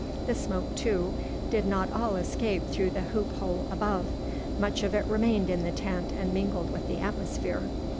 The smoke, too, did not all escape through the hoop hole above. Much of it remained in the tent and mingled with the atmosphere.